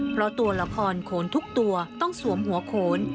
เพราะตัวละครโขนทุกตัวต้องสวมหัวโขน